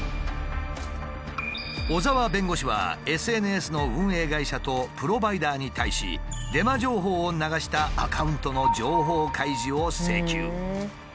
小沢弁護士はＳＮＳの運営会社とプロバイダーに対しデマ情報を流したアカウントの情報開示を請求。